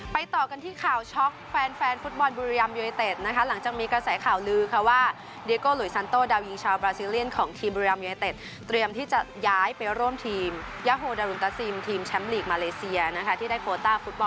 ไปต่อกันที่ข่าวช็อคแฟนแฟนฟุตบอลบูเรียมเยตเตศนะคะ